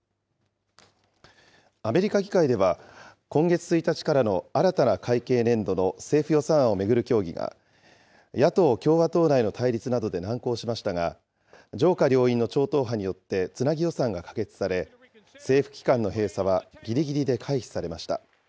アメリカ議会では、今月１日からの新たな会計年度の政府予算案を巡る協議が、野党・共和党内の対立などで難航しましたが、上下両院の超党派によってつなぎ予算が可決され、政府機関の閉鎖はぎりぎりで回避されました。